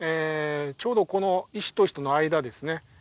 ちょうどこの石と石との間ですね